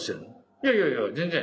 いやいやいや全然。